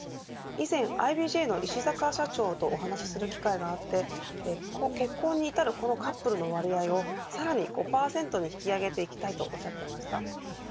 以前ＩＢＪの石坂社長とお話する機会があって結婚に至るカップルの割合をさらに５％に引き上げたいとおっしゃっていました。